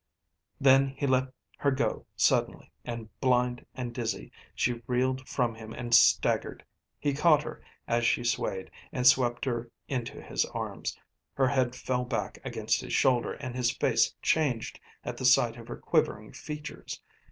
Then he let her go suddenly, and, blind and dizzy, she reeled from him and staggered. He caught her as she swayed and swept her into his arms. Her head fell back against his shoulder and his face changed at the sight of her quivering features.